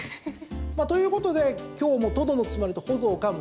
ということで今日もとどのつまりと、ほぞをかむ